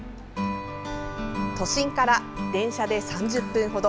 都心から電車で３０分程。